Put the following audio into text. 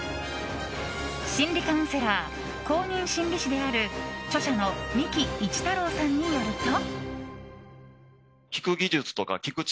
心理カウンセラー公認心理士である著者のみきいちたろうさんによると。